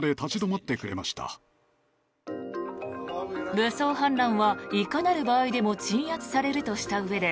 武装反乱はいかなる場合でも鎮圧されるとしたうえで